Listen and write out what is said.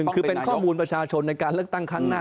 คือเป็นข้อมูลประชาชนในการเลือกตั้งครั้งหน้า